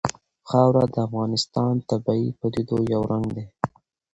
خاوره د افغانستان د طبیعي پدیدو یو رنګ دی.